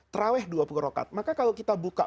terawih dua puluh rokat maka kalau kita buka